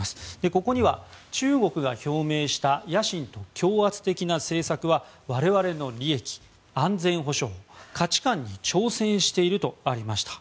ここには中国が表明した野心と強圧的な政策は我々の利益、安全保障、価値観に挑戦しているとありました。